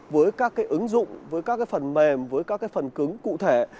với các cái ứng dụng với các cái phần mềm với các cái phần cứng cụ thể